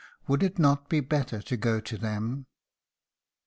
Would it not be better to go to them?